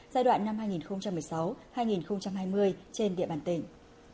giai đoạn năm hai nghìn một mươi sáu hai nghìn hai mươi trên địa bàn tỉnh